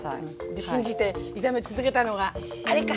で信じて炒め続けたのがあれか！